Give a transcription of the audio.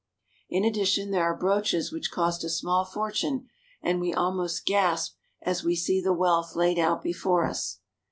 In addition there are brooches which cost a small fortune, and we almost gasp as we see the wealth laid out before us.